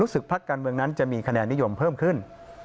พักการเมืองนั้นจะมีคะแนนนิยมเพิ่มขึ้น